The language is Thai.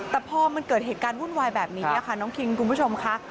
แต่พอมันเกิดเหตุการณ์วุ่นวายแบบนี้ค่ะน้องคิงคุณผู้ชมค่ะ